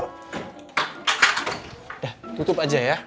udah tutup aja ya